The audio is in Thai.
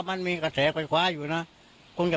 ตรงนี้เขาจะไม่ค่อยผ่านหรอกน้อย